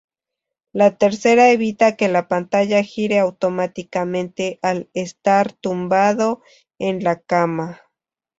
La tercera evita que la pantalla gire automáticamente al estar tumbado en la cama.